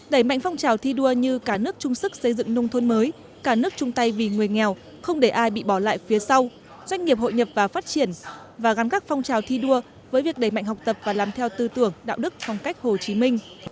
đẩy mạnh phong trào thi đua như cả nước chung sức xây dựng nông thôn mới cả nước chung tay vì người nghèo không để ai bị bỏ lại phía sau doanh nghiệp hội nhập và phát triển và gắn các phong trào thi đua với việc đẩy mạnh học tập và làm theo tư tưởng đạo đức phong cách hồ chí minh